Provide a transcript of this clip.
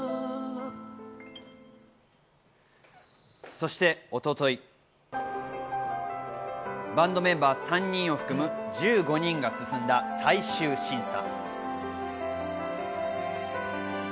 そして一昨日、バンドメンバー３人を含む１５人が進んだ最終審査。